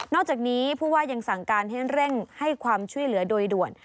อกจากนี้ผู้ว่ายังสั่งการให้เร่งให้ความช่วยเหลือโดยด่วน